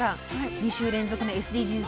２週連続でＳＤＧｓ